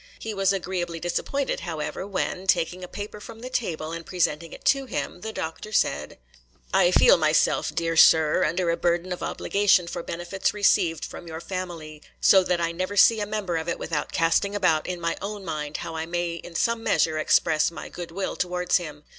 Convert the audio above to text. He was agreeably disappointed, however, when, taking a paper from the table, and presenting it to him, the Doctor said,— 'I feel myself, my dear sir, under a burden of obligation for benefits received from your family, so that I never see a member of it without casting about in my own mind how I may in some measure express my good will towards him.